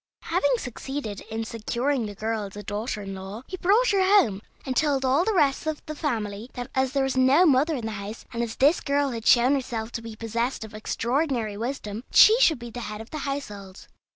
Having succeeded in securing the girl as a daughter in law, he brought her home, and told all the rest of the family that as there was no mother in the house, and as this girl had shown herself to be possessed of extraordinary wisdom, she should be the head of the household.